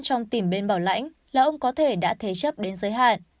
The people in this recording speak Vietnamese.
trong tìm bên bảo lãnh là ông có thể đã thế chấp đến giới hạn